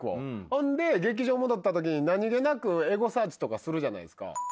ほんで劇場戻ったときに何げなくエゴサーチとかするじゃないですか。